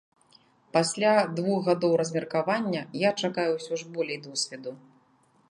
Пасля двух гадоў размеркавання я чакаю ўсё ж болей досведу.